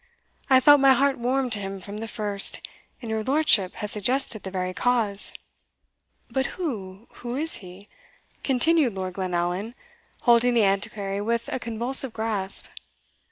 "I felt my heart warm to him from the first, and your lordship has suggested the very cause." "But who who is he?" continued Lord Glenallan, holding the Antiquary with a convulsive grasp.